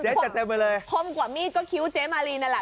เจ๊จัดเต็มผมกว่ามีดก็คิ้วเจ๊มาลีนั่นแหละ